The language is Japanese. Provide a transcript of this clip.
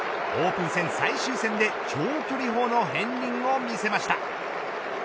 オープン戦最終戦で長距離砲の片りんを見せました。